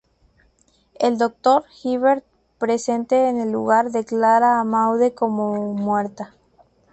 El Dr. Hibbert, presente en el lugar, declara a Maude como muerta.